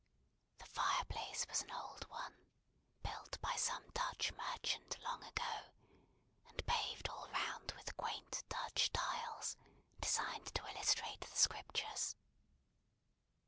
The fireplace was an old one, built by some Dutch merchant long ago, and paved all round with quaint Dutch tiles, designed to illustrate the Scriptures.